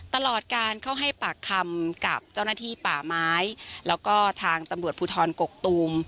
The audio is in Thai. ตลอดการเข้าให้ปากคำกับเจ้าหน้าที่ป่าไม้แล้วก็ทางตำรวจภูทรกกตูม